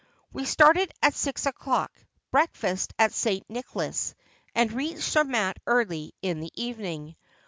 ' We started at six o'clock, breakfasted at St. Nicolas, and reached Zermatt early in the evening.